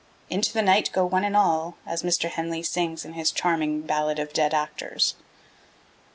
'Into the night go one and all,' as Mr. Henley sings in his charming Ballade of Dead Actors.